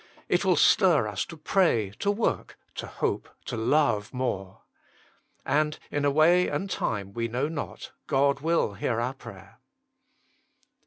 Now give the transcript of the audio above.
It will stir us to pray, to work, to hope, to love more. And in a way and time we know not God will hear our prayer.